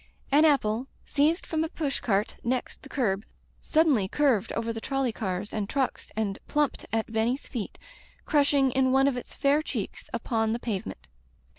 An apple, seized from a pushcart next the curb, suddenly curved over the trolley cars Digitized by LjOOQ IC Interventions and trucks and plumped at Benny's feet, crushing in one of its fair checks upon the pavement.